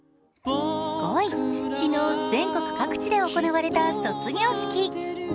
５位、昨日全国各地で行われた卒業式。